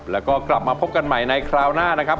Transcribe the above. แล้วก็กลับมาพบกันใหม่ในคราวหน้านะครับ